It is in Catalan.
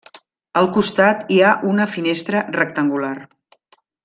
Al costat hi ha una finestra rectangular.